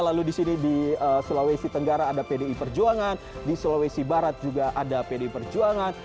lalu di sini di sulawesi tenggara ada pdi perjuangan di sulawesi barat juga ada pdi perjuangan